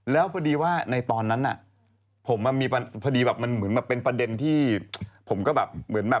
แล้วพอดีตอนนั้นผมมีมันมีแบบเป็นประเด็น